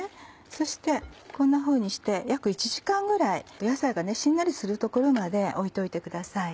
そしてこんなふうにして約１時間ぐらい野菜がしんなりするところまでおいといてください。